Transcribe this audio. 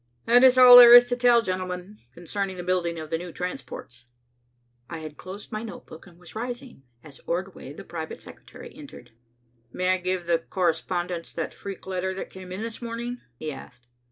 "That is all there is to tell, gentlemen, concerning the building of the new transports." I had closed my notebook and was rising, as Ordway, the private secretary, entered. "May I give the correspondents that freak letter that came this morning?" he asked.